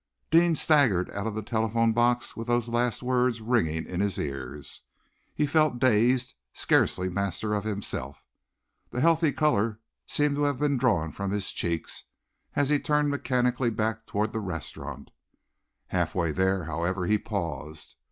Deane staggered out of the telephone box with those last words ringing in his ears. He felt dazed, scarcely master of himself. The healthy color seemed to have been drawn from his cheeks, as he turned mechanically back toward the restaurant. Half way there, however, he paused.